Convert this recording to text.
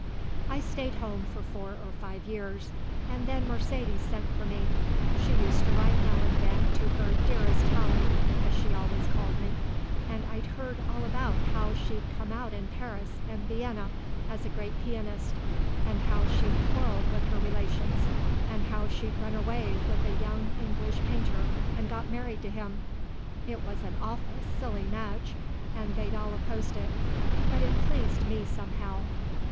"I stayed home for four or five years and then Mercedes sent for me. She used to write now and then to her 'Dearest Tallie' as she always called me, and I'd heard all about how she'd come out in Paris and Vienna as a great pianist, and how she'd quarrelled with her relations and how she'd run away with a young English painter and got married to him. It was an awful silly match, and they'd all opposed it; but it pleased me somehow.